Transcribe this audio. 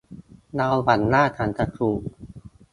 เราหวังว่าฉันจะถูก